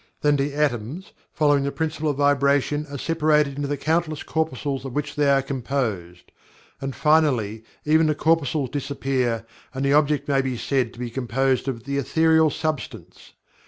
Then the atoms, following the Principle of Vibration, are separated into the countless corpuscles of which they are composed. And finally, even the corpuscles disappear and the object may be said to Be composed of The Ethereal Substance.